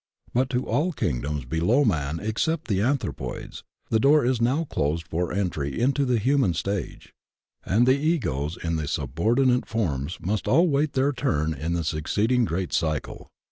But to all kingdoms below man except the anthropoids, the door is now closed for entry into the human stage, and the Egos in the subordinate forms must all wait their turn in the succeeding great Cycle.